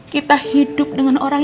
kita hidup dengan orang